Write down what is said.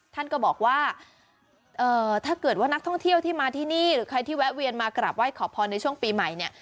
ท่านก็บอกว่าถ้าเกิดว่านักท่องเที่ยวที่มาที่นี่หรือใครที่แวะเวียนมากราบไห้ขอพรในช่วงปีใหม่เนี่ย